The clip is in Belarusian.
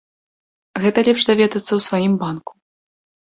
Гэта лепш даведацца ў сваім банку.